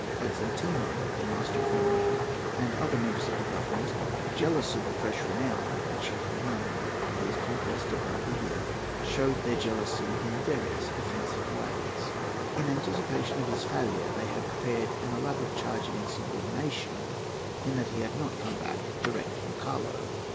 But Zenteno, the Minister of Marine, and other members of the Government, jealous of the fresh renown which he had won by his conquest of Valdivia, showed their jealousy in various offensive ways. In anticipation of his failure they had prepared an elaborate charge of insubordination, in that he had not come back direct from Callao.